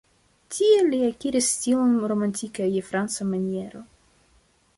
Tie li akiris stilon romantika je franca maniero.